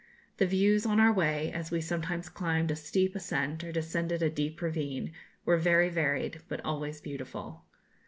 The views on our way, as we sometimes climbed a steep ascent or descended a deep ravine, were very varied, but always beautiful.